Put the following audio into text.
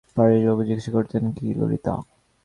পরেশবাবু জিজ্ঞাসা করিতেন, কী ললিতা?